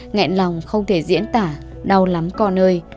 ngẹn lòng không thể diễn tả đau lắm con ơi